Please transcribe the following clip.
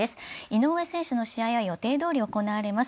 井上選手の試合は予定どおり行われます。